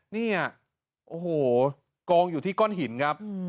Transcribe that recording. เนี่ยโอ้โหกองอยู่ที่ก้อนหินครับ